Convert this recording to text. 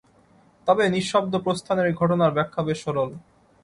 তবে নিঃশব্দ প্রস্থানের এই ঘটনার ব্যাখ্যা বেশ সরল।